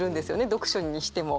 読書にしても。